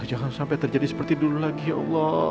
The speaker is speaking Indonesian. jangan sampai terjadi seperti dulu lagi ya allah